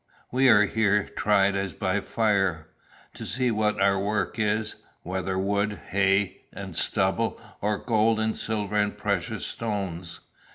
We are here tried as by fire, to see what our work is whether wood, hay, and stubble, or gold and silver and precious stones."